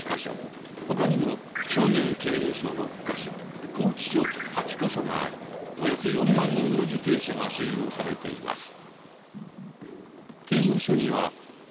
他にも少年刑務所６か所拘置所８か所がありおよそ４万人の受刑者が収容されています。